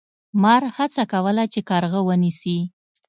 مار هڅه کوله چې کارغه ونیسي.